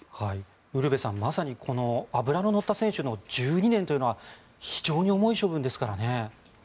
ウルヴェさんまさに脂の乗った選手の１２年というのは非常に重い処分ですからね。